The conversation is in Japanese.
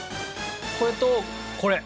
これとこれ。